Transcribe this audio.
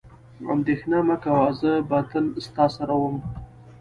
اندېښنه مه کوه، زه به تل ستا سره وم.